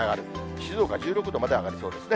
静岡１６度まで上がりそうですね。